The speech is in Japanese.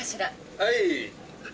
はい。